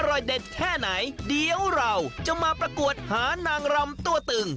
เด็ดแค่ไหนเดี๋ยวเราจะมาประกวดหานางรำตัวตึง